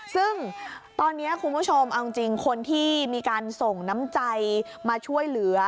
ซึ่งตอนนี้คุณผู้ชมเอาจริงคนที่มีการส่งน้ำใจมาช่วยเหลือ